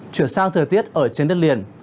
chuyển sang thời tiết ở trên đất liền